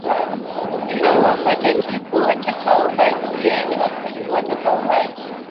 awapa tatizo watakaobaki yaani wakristo watakaobaki